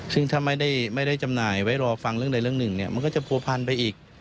ซึ่งถ้าไม่ได้จำหน่ายไว้รอฟังเรื่องใดเรื่องหนึ่งมันก็จะผัวพันไปอีก